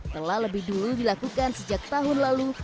telah lebih dulu dilakukan sejak tahun lalu